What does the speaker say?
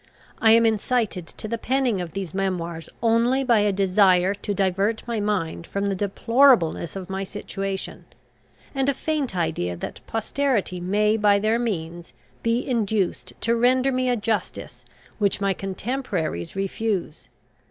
I am incited to the penning of these memoirs only by a desire to divert my mind from the deplorableness of my situation, and a faint idea that posterity may by their means be induced to render me a justice which my contemporaries refuse.